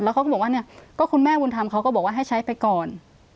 แล้วเขาก็บอกว่าคุณแม่บุญธรรมเขาก็บอกว่าให้ใช้ไปก่อน